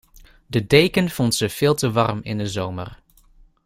De deken vond ze veel te warm in de zomer.